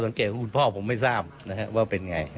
ข้อสังเกตของขุมพ่อผมไม่ทราบว่าเป็นไงตอบไม่ได้